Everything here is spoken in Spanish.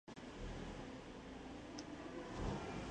Será un gran, gran disco.